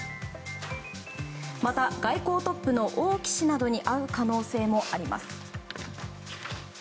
また、外交トップの王毅氏などに会う可能性もあります。